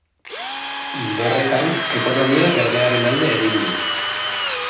Ildo horretan, ekonomia berdearen alde egin du.